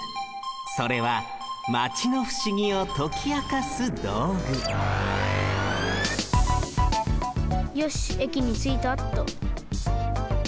それはマチのふしぎをときあかすどうぐよしえきについたっと。